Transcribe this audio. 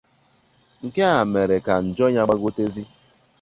Nke a mezịrị ka njọ ya gbagotezi